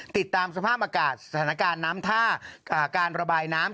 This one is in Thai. ติดตามสภาพอากาศสถานการณ์น้ำท่าการระบายน้ำ